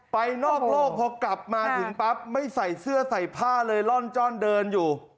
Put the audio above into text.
นอกโลกพอกลับมาถึงปั๊บไม่ใส่เสื้อใส่ผ้าเลยร่อนจ้อนเดินอยู่